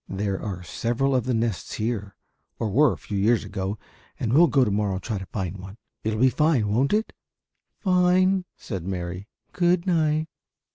There are several of the nests here, or were a few years ago, and we'll go to morrow and try to find one. It will be fine, won't it?" "Fine," said Mary. "Good night."